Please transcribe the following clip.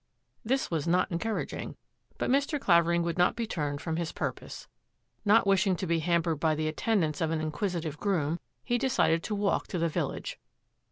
This was not encouraging, but Mr. Clavering would not be turned from his purpose. Not wish ing to be hampered by the attendance of an in quisitive groom, he decided to walk to the village.